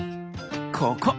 ここ！